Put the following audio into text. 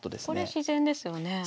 これ自然ですよね。